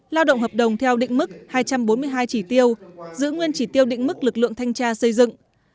lao động hợp đồng theo định mức hai trăm bốn mươi hai chỉ tiêu giữ nguyên chỉ tiêu định mức lực lượng thanh tra xây dựng